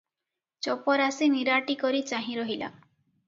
ଚପରାଶି ନିରାଟିକରି ଚାହିଁ ରହିଲା ।